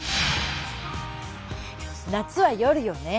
夏は夜よね。